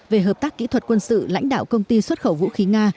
về hợp tác kỹ thuật quân sự lãnh đạo công ty xuất khẩu vũ khí nga